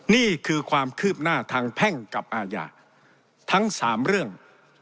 นี่คือความคืบหน้าทางแพ่งกับอาญาทั้ง๓เรื่อง